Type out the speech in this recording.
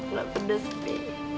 nggak pedes bi